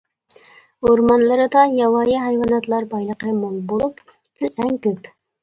ئورمانلىرىدا ياۋايى ھايۋاناتلار بايلىقى مول بولۇپ، پىل ئەڭ كۆپ.